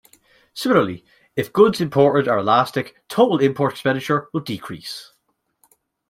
Similarly, if goods imported are elastic, total import expenditure will decrease.